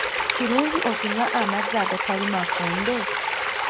Kirungi okunywa amazzi agatali mafumbe?